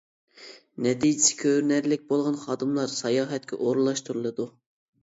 نەتىجىسى كۆرۈنەرلىك بولغان خادىملار ساياھەتكە ئورۇنلاشتۇرۇلىدۇ.